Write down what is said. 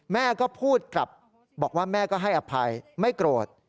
แม่ก็พูดกลับบอกว่าแม่ก็ให้อภัยไม่โกรธ